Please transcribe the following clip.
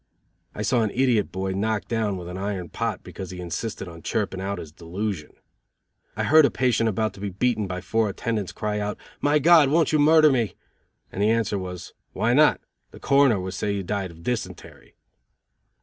I saw an idiot boy knocked down with an iron pot because he insisted on chirping out his delusion. I heard a patient about to be beaten by four attendants cry out: "My God, you won't murder me?" and the answer was, "Why not? The Coroner would say you died of dysentery."